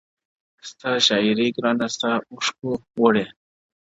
ستا شاعري گرانه ستا اوښکو وړې _